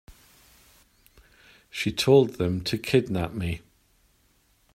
She told them to kidnap me.